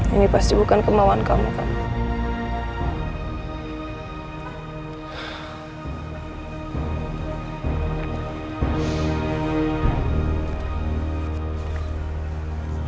ini pasti bukan kemauan kamu kamu